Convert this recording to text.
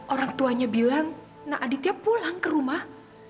orang tuanya bilang nah aditya pulang ke rumah